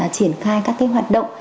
triển khai các cái hoạt động